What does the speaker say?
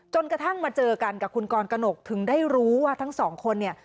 จนกระทั่งมาเจอกันกับคุณกรกนกถึงได้รู้ว่าทั้งสองคนเนี่ย